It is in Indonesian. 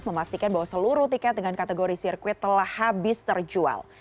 memastikan bahwa seluruh tiket dengan kategori sirkuit telah habis terjual